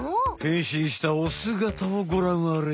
変身したおすがたをごらんあれ。